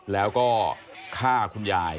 แล้วก็ฆ่าคุณยาย